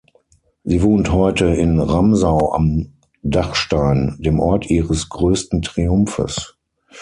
Sie wohnt heute in Ramsau am Dachstein, dem Ort ihres größten Triumphes.